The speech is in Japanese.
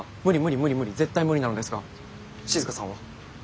絶対無理なのですが静さんは。